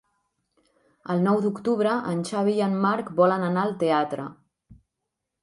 El nou d'octubre en Xavi i en Marc volen anar al teatre.